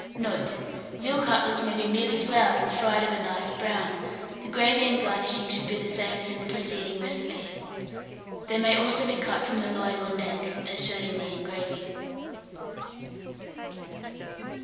Note. Veal cutlets may be merely floured and fried of a nice brown; the gravy and garnishing should be the same as in the preceding recipe. They may also be cut from the loin or neck, as shown in the engraving.